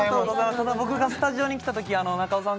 ただ僕がスタジオに来たとき中尾さん